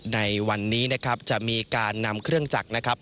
ในวันนี้นะครับจะมีการนำเครื่องจักรนะครับ